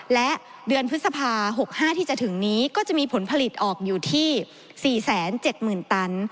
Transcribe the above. และเดือนพฤษภา๖๕ที่จะถึงนี้ก็จะมีผลผลิตออกอยู่ที่๔๗๐๐๐ตัน